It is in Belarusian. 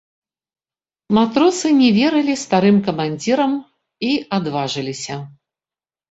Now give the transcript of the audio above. Матросы не верылі старым камандзірам і адважыліся.